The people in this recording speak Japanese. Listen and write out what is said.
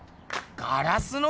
ガラスの？